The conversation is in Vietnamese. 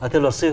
thưa luật sư